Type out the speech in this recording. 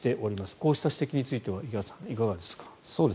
こうした指摘については池畑さん、いかがですか？